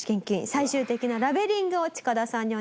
最終的なラベリングをチカダさんにお願いします。